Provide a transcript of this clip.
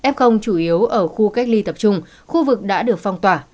f chủ yếu ở khu cách ly tập trung khu vực đã được phong tỏa